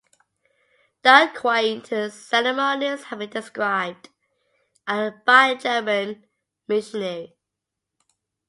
The quaint ceremonies have been described by a German missionary.